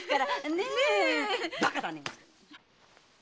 ねえバカだね！